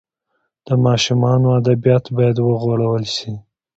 د ماشومانو ادبیات باید وغوړول سي.